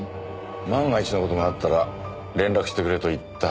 万が一の事があったら連絡してくれと言ったはずだが？